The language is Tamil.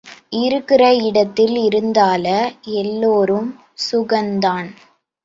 இருக்கிற இடத்தில் இருந்தால எல்லாரும் சுகந்தான்.